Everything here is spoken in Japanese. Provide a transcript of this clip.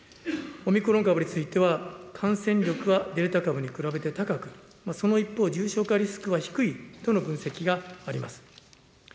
オミクロン株については、感染力はデルタ株に比べて高く、その一方、重症化リスクは低いとの分析があります。